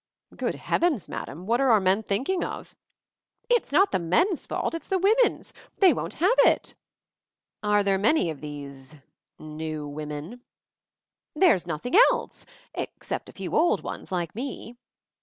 "Good Heavens, madam! what are our men thinking of?" "It's not the men's fault ; it's the women's. They won't have it." "Are there many of these — new women?" "There's nothing else — except a few old ones like me."